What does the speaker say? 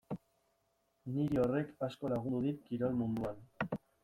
Niri horrek asko lagundu dit kirol munduan.